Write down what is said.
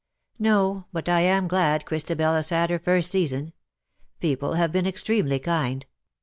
" No ; but I am glad Christabel has had her first season. People have been extremely kind.